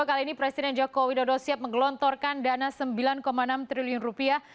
kali ini presiden joko widodo siap menggelontorkan dana sembilan enam triliun rupiah